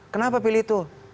kenapa pilih itu